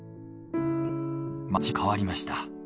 町も変わりました。